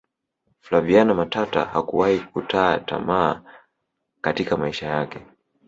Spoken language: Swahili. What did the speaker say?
flaviana matata hakuwahi kutaa tamaa katika maisha yake